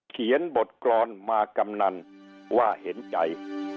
เขียนบทกรอนมากำนันว่าเห็นใจ